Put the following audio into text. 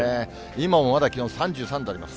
今もまだ気温３３度あります。